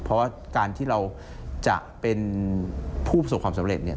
เพราะว่าการที่เราจะเป็นผู้ประสบความสำเร็จเนี่ย